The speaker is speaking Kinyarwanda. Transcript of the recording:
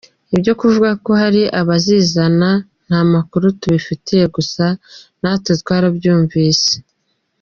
Ibyo kuvuga ko hari abazizana nta makuru tubifitiye gusa natwe twarabyumvise.